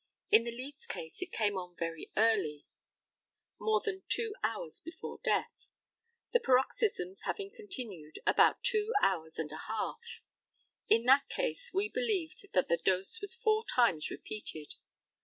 In the Leeds case it came on very early, more than two hours before death, the paroxysms having continued about two hours and a half. In that case we believed that the dose was four times repeated.